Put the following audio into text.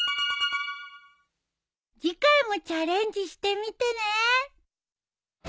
次回もチャレンジしてみてね。